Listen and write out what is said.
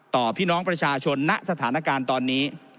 พี่น้องประชาชนณสถานการณ์ตอนนี้